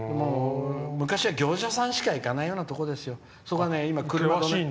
昔は行者さんしか行かないところです。